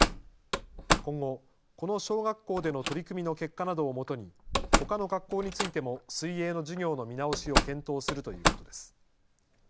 今後、この小学校での取り組みの結果などをもとにほかの学校についても水泳の授業の見直しを検討するということです。